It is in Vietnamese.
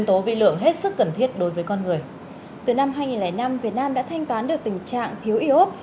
những người đã thanh toán được tình trạng thiếu iốt